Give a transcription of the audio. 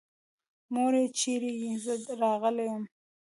مورې چېرې يې؟ زه راغلی يم.